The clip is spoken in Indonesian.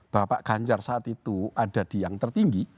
bapak ganjar saat itu ada di yang tertinggi